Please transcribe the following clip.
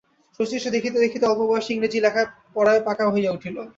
শচীশ দেখিতে দেখিতে অল্প বয়সেই ইংরেজি লেখায় পড়ায় পাকা হইয়া উঠিল।